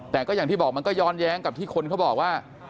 แต่ก็อย่างที่บอกมันก็ย้อนแย้งกับที่คนเขาบอกว่า